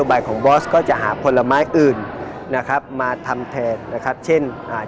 nama bos akan mencari pelbagai buah lain untuk dihasilkan